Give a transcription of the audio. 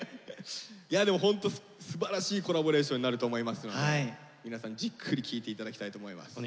いやでもホントすばらしいコラボレーションになると思いますので皆さんじっくり聴いていただきたいと思います。